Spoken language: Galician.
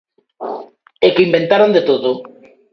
É que inventaron de todo.